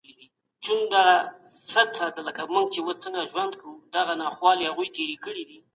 شراب به تر هغه وخته وي چي نړۍ وي.